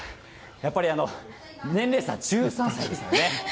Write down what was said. やっぱり年齢差、１３歳ですのでね。